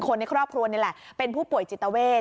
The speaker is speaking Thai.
คนในครอบครัวนี่แหละเป็นผู้ป่วยจิตเวท